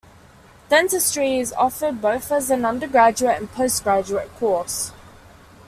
Dentistry is offered both as an undergraduate and a postgraduate course.